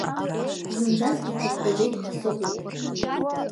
Зынӡаск иҭыкәкәаӡеит ҳәа сыҟоуп…